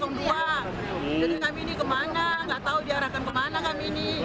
jadi kami ini ke mana nggak tahu diarahkan ke mana kami ini